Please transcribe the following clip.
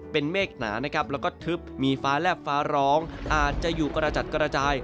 เป็นเมฆหนานะครับแล้วก็ทึบมีฟ้าแลบฟ้าร้องอาจจะอยู่กระจัดกระจาย